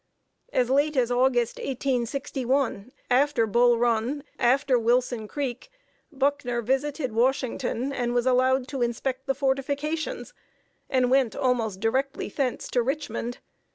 As late as August, 1861, after Bull Run, after Wilson Creek, Buckner visited Washington, was allowed to inspect the fortifications, and went almost directly thence to Richmond.